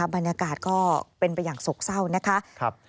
บรรยากาศก็เป็นไปอย่างโศกเศร้านะคะ